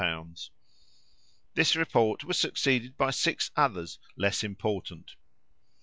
This report was succeeded by six others, less important.